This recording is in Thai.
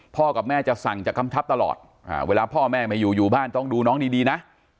กับแม่จะสั่งจะกำชับตลอดเวลาพ่อแม่ไม่อยู่อยู่บ้านต้องดูน้องดีนะ